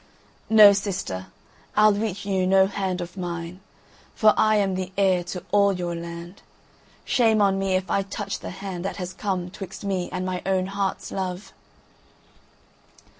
"No, sister, I'll reach you no hand of mine, for I am the heir to all your land. Shame on me if I touch the hand that has come 'twixt me and my own heart's love."